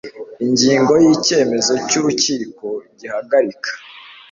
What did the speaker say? ingingo ya icyemezo cy urukiko gihagarika